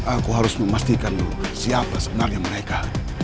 aku harus memastikan siapa sebenarnya mereka